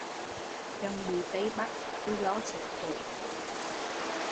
Chồng bị Tây bắt, tui lo xốp phổi